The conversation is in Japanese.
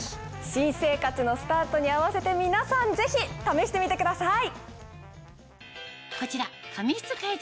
新生活のスタートに合わせて皆さんぜひ試してみてください。